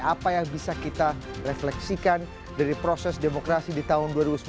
apa yang bisa kita refleksikan dari proses demokrasi di tahun dua ribu sembilan belas